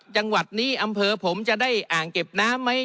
จังหวัดนี้อำเภอผมจะได้อ่างเก็บน้ำไหม